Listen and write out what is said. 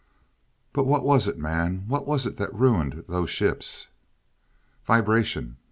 "But what was it, man, what was it that ruined those ships?" "Vibration.